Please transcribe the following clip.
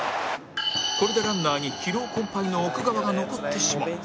これでランナーに疲労困憊の奥川が残ってしまう